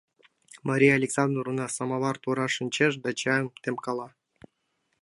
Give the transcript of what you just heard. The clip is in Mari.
Мария Александровна самовар тураш шинчеш да чайым темкала.